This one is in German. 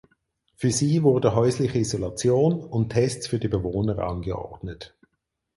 Für sie wurde häusliche Isolation und Tests für die Bewohner angeordnet.